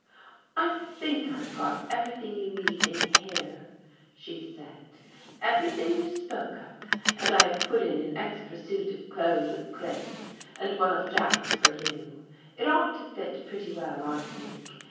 " I think I've got everything you need in here," she said, "— everything you spoke of, and I have put in an extra suit of clothes of Cliff's and one of Jack's for you. It ought to fit pretty well, I think.